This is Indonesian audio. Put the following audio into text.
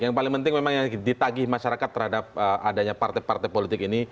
yang paling penting memang yang ditagih masyarakat terhadap adanya partai partai politik ini